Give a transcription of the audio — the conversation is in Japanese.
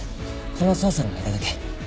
この捜査の間だけ。